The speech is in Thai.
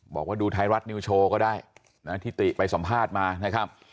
บอกว่าดูไทยรัฐนิวโชว์ก็ได้นะที่ติไปสัมภาษณ์มานะครับ